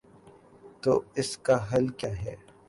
تو اس کا حل کیا ہے؟